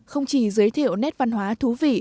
không chỉ giới thiệu nét văn hóa thú vị